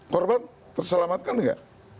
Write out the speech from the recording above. korban terselamatkan nggak